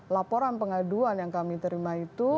laporan pengaduan yang kami terima itu